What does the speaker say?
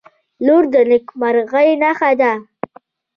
• لور د نیکمرغۍ نښه ده.